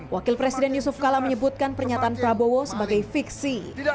wakil presiden yusuf kala menyebutkan pernyataan prabowo sebagai fiksi